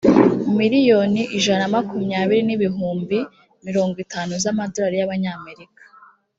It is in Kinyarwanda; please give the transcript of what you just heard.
miliyoni ijana na makumyabiri n ibihumbi mirongo itanu z amadolari y abanyamerika